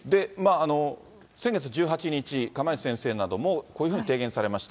先月１８日、釜萢先生なども、こういうふうに提言されました。